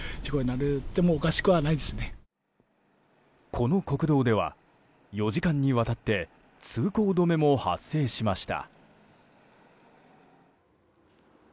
この国道では４時間にわたって通行止めも発生しました。